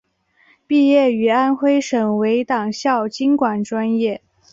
毕业于安徽省委党校经管专业。